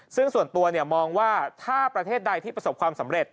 ซึ่งส่วนตัวมองว่าถ้าประเทศใดที่ประสบความสำเร็จ